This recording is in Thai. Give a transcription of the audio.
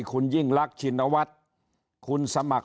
คุณยิ่งลักษณวัฒน์